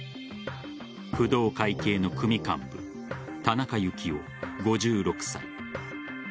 工藤会系の組幹部田中幸雄、５６歳。